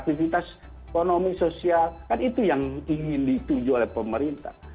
aktivitas ekonomi sosial kan itu yang ingin dituju oleh pemerintah